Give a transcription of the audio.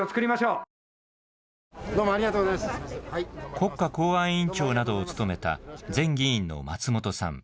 国家公安委員長などを務めた、前議員の松本さん。